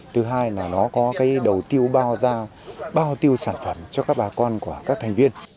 thứ hai là nó có cái đầu tiêu bao tiêu sản phẩm cho các bà con